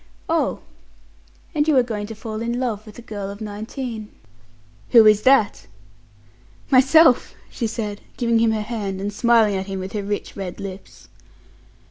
"Oh! And you are going to fall in love with a girl of nineteen." "Who is that?" "Myself!" she said, giving him her hand and smiling at him with her rich red lips.